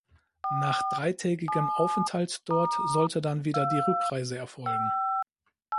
Nach dreitägigem Aufenthalt dort sollte dann wieder die Rückreise erfolgen.